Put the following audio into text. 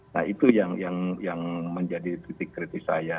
nah itu yang menjadi titik kritis saya